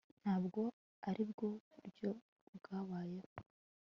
Ntabwo aribwo buryo bwabayeho